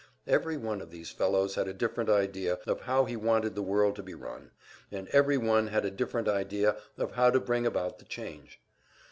Every one of these fellows had a different idea of how he wanted the world to be run, and every one had a different idea of how to bring about the change.